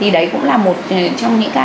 đấy cũng là một trong những